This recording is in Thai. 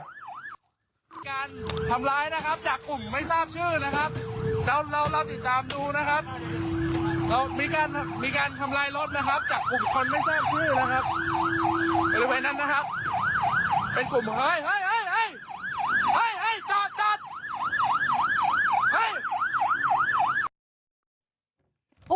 เฮ่ยตอดตอด